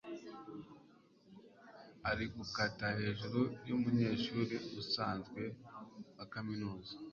Ari gukata hejuru yumunyeshuri usanzwe wa kaminuza.